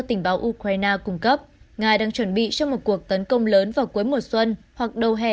tình báo ukraine cung cấp nga đang chuẩn bị cho một cuộc tấn công lớn vào cuối mùa xuân hoặc đầu hè